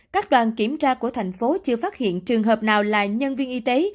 các đoàn kiểm tra của thành phố chưa phát hiện trường hợp nào là nhân viên y tế